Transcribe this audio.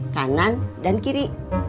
kanan dan kiri